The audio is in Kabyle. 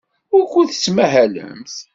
Wukud tettmahalemt?